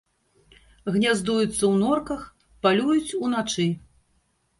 Гняздуюцца ў норках, палююць уначы.